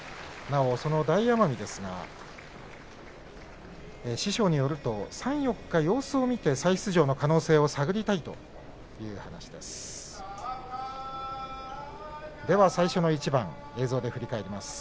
大奄美ですが師匠によると３、４日様子を見て再出場の可能性を探りたいという話をしていました。